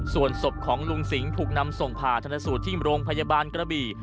ส่วนศพของลุงสิงห์ถูกนำส่งผ่าชนสูตรที่โรงพยาบาลกระบี่